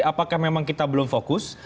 apakah memang kita belum fokus